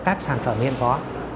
các sản phẩm hiện có